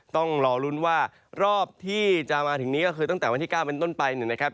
ต้องรอลุ้นว่ารอบที่จะมาถึงนี้ก็คือตั้งแต่วันที่๙เป็นต้นไปนะครับ